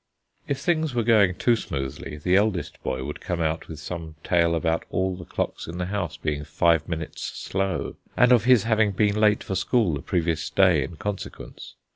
If things were going too smoothly, the eldest boy would come out with some tale about all the clocks in the house being five minutes slow, and of his having been late for school the previous day in consequence.